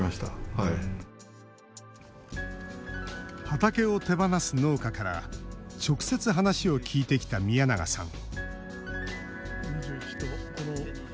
畑を手放す農家から直接、話を聞いてきた宮永さん